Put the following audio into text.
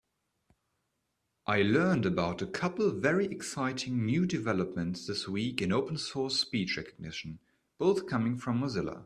I learned about a couple very exciting new developments this week in open source speech recognition, both coming from Mozilla.